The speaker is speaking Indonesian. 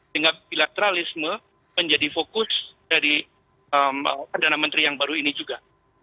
sehingga bilateralisme menjadi fokus dari perdana menteri yang baru ini juga